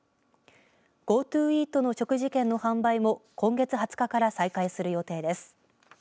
ＧｏＴｏイートの食事券の販売も今月２０日から再開する予定です。